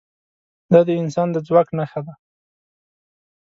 دا د انسان د ځواک نښه ده.